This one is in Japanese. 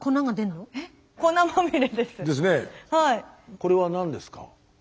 これは何ですか？